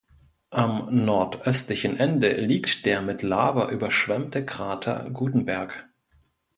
Am nordöstlichen Ende liegt der mit Lava überschwemmte Krater Gutenberg.